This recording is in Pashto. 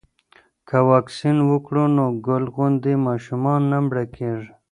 که واکسین وکړو نو ګل غوندې ماشومان نه مړه کیږي.